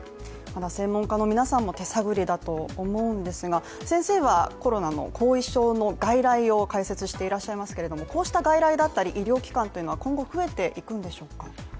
専門家の皆さんも手探りだと思うんですが先生はコロナの後遺症の外来を開設していらっしゃいますがこうした外来だったり医療機関というのは今後増えていくんでしょうか？